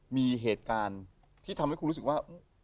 มีเหตุการณ์ที่ทำให้คุณรู้สึกว่า